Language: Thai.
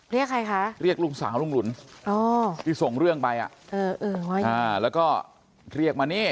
เรียกใครคะเรียกลุงสาวลุงหลุนที่ส่งเรื่องไปแล้วก็เรียกมานี่